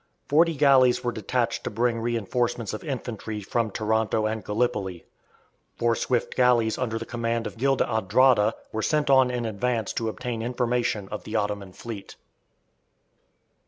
Forty galleys were detached to bring reinforcements of infantry from Taranto and Gallipoli. Four swift galleys under the command of Gil d'Andrada were sent on in advance to obtain information of the Ottoman fleet.